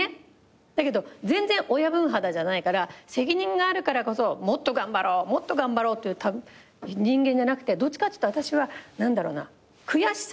だけど全然親分肌じゃないから責任があるからこそもっと頑張ろうもっと頑張ろうっていう人間じゃなくてどっちかっつったら私は悔しさ